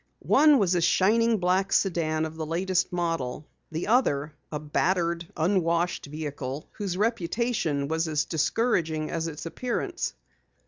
One was a shining black sedan of the latest model, the other, a battered, unwashed vehicle whose reputation was as discouraging as its appearance.